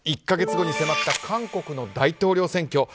１か月後に迫った韓国の大統領選挙。